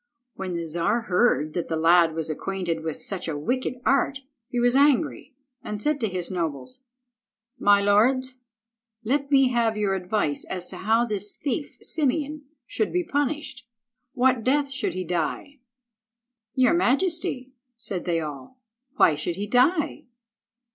When the Czar heard that the lad was acquainted with such a wicked art, he was angry, and said to his nobles— "My lords, let me have your advice as to how this thief, Simeon, should be punished. What death should he die?" "Your majesty," said they all, "why should he die?